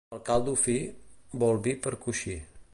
El caldo fi, vol vi per coixí.